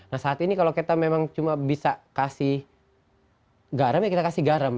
nah saat ini kalau kita memang cuma bisa kasih garam ya kita kasih garam